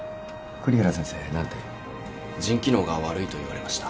栗原先生何て？腎機能が悪いと言われました。